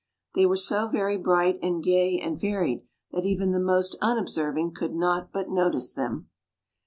They were so very bright and gay and varied, that even the most unobserving could not but notice them.